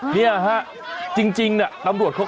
ขอบคุณครับขอบคุณครับ